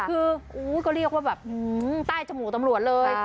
คือก็เรียกว่าแบบใต้จมูกตำรวจเลย